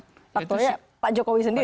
faktornya pak jokowi sendiri